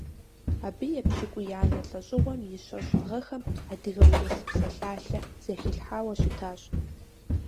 Абы епщыкӀуиянэ лӀэщӀыгъуэм и щэщӀ гъэхэм «Адыгэ-урыс псалъалъэ» зэхилъхьауэ щытащ.